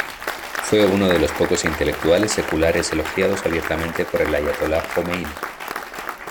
Fue uno de los pocos intelectuales seculares elogiados abiertamente por el ayatolá Jomeini.